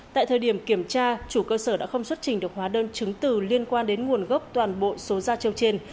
tại thời điểm kiểm tra chủ cơ sở đã không xuất trình được hóa đơn chứng từ liên quan đến nguồn gốc toàn bộ số da trâu trên